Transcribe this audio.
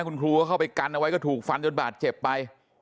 คุณครูก็เข้าไปกันเอาไว้ก็ถูกฟันจนบาดเจ็บไป